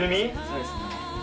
そうですね。